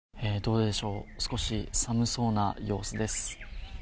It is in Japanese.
少し、寒そうな様子です。